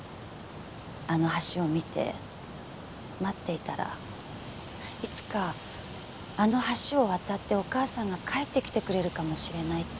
あの橋を見て待っていたらいつかあの橋を渡ってお母さんが帰ってきてくれるかもしれないって。